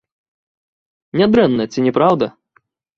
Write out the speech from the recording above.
Нядрэнна, ці не праўда?